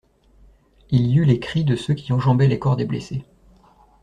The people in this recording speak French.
Il y eut les cris de ceux qui enjambaient les corps des blessés.